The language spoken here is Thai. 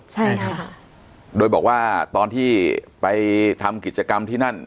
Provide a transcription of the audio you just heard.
ใช่ค่ะโดยบอกว่าตอนที่ไปทำกิจกรรมที่นั่น